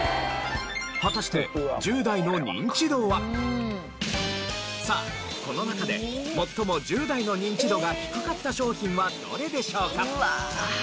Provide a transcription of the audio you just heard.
果たしてさあこの中で最も１０代のニンチドが低かった商品はどれでしょうか？